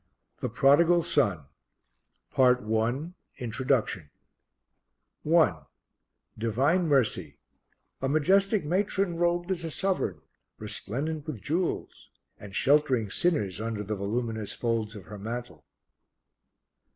THE PRODIGAL SON PART I Introduction I. Divine Mercy. A majestic matron robed as a sovereign, resplendent with jewels and sheltering sinners under the voluminous folds of her mantle.